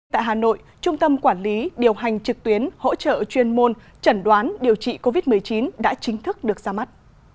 tại hà nội trung tâm quản lý điều hành trực tuyến hỗ trợ chuyên môn trần đoán điều trị covid một mươi chín đã chính thức được ra mắt